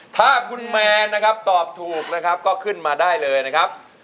ถ้าคุณแมนนะครับตอบถูกนะครับก็ขึ้นมาได้เลยนะครับ